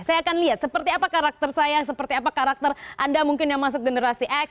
saya akan lihat seperti apa karakter saya seperti apa karakter anda mungkin yang masuk generasi x